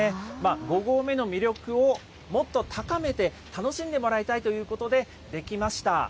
５合目の魅力をもっと高めて、楽しんでもらいたいということで出来ました。